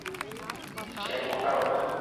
সে এমনটা করবে না।